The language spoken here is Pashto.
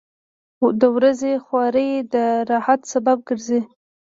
• د ورځې خواري د راحت سبب ګرځي.